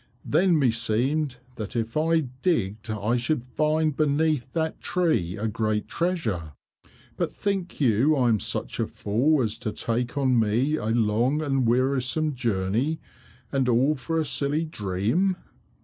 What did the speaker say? Then meseemed that if I digged I should find beneath that tree a great treasure. But think you I'm such a fool as to take on me a long and wearisome journey and all for a silly dream.